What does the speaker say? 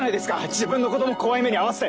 自分の子供怖い目に遭わせて！